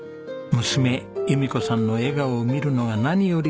娘弓子さんの笑顔を見るのが何より嬉しい